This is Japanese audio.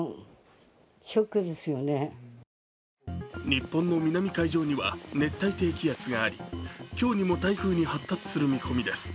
日本の南海上には熱帯低気圧があり今日にも台風に発達する見込みです。